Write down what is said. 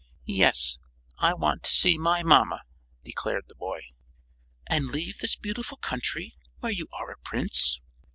"Yes. I want to see my mamma!" declared the boy. "And leave this beautiful country, where you are a Prince?"